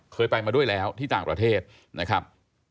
เคยไปมาด้วยแล้วที่ต่างประเทศนะครับ